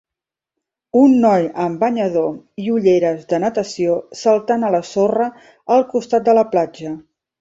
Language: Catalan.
Un noi amb banyador i ulleres de natació saltant a la sorra al costat de la platja